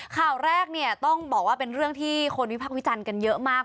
ข่าวแรกเนี่ยต้องบอกว่าเป็นเรื่องที่คนวิพักษ์วิจารณ์กันเยอะมาก